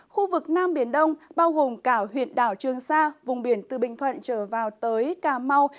khu vực nam biển đông bao gồm cả huyện đảo trường sa vùng biển từ bình thuận trở vào tới cà mau